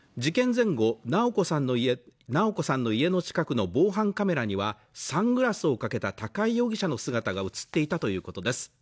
前後直子さんの家の近くの防犯カメラにはサングラスをかけた高井容疑者の姿が映っていたということです